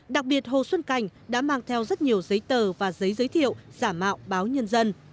đặc biệt hồ xuân cảnh đã mang theo rất nhiều giấy tờ và giấy giới thiệu giả mạo báo nhân dân